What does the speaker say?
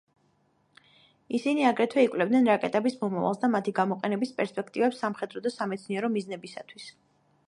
ისინი აგრეთვე იკვლევდნენ რაკეტების მომავალს და მათი გამოყენების პერსპექტივებს სამხედრო და სამეცნიერო მიზნებისათვის.